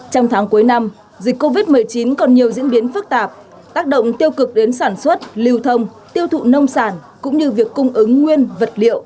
trong tháng cuối năm dịch covid một mươi chín còn nhiều diễn biến phức tạp tác động tiêu cực đến sản xuất lưu thông tiêu thụ nông sản cũng như việc cung ứng nguyên vật liệu